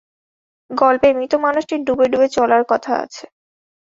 গল্পে মৃত মানুষটির ডুবে-ডুবে চলার কথা আছে।